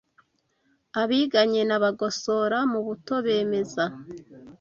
Abiganye na Bagosora mu buto bemeza